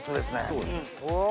そうですね。